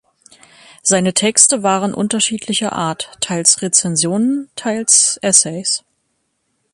Seine Texte waren unterschiedlicher Art, teils Rezensionen, teils Essays.